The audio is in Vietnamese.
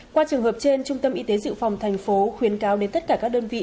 qua trường hợp trên trung tâm y tế dự phòng thành phố khuyến cáo đến tất cả các đơn vị